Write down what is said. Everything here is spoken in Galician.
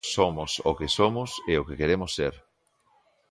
Somos o que somos e o que queremos ser.